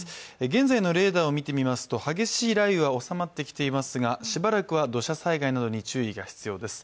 現在のレーダーを見てみますと激しい雷雨は収まってきていますがしばらくは土砂災害などに注意が必要です。